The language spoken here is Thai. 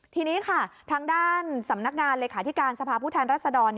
ทีนี้ค่ะทางด้านสำนักงานหลักขาธิการสภาพุทธรรษฎร